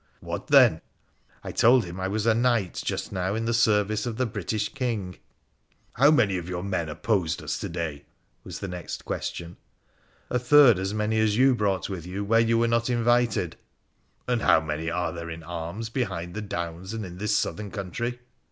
' What, then ?* I told him I was a knight just now in the service of the British King. ' How many of your men opposed us to day ?' was the next question. ' A third as many as you brought with you where you were not invited.' 1 And how many are there in arms behind the downs and in this southern country